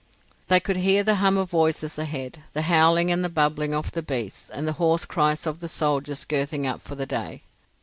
They could hear the hum of voices ahead, the howling and the bubbling of the beasts and the hoarse cries of the soldiers girthing up for the day.